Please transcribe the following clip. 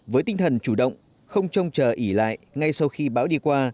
với tinh thần chủ động không trông chờ ỉ lại ngay sau khi bão đi qua